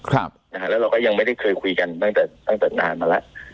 แล้วเราก็ยังไม่ได้เคยคุยกันตั้งแต่ตั้งแต่นานมาแล้ว